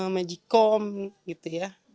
magicom gitu ya